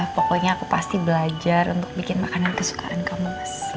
pokoknya aku pasti belajar untuk bikin makanan kesukaan kamu